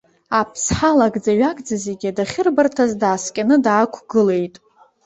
Аԥсҳа лакӡа-ҩакӡа зегьы дахьырбарҭаз дааскьаны даақәгылеит.